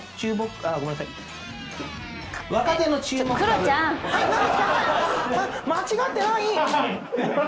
間違ってない。